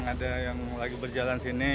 ada yang lagi berjalan sini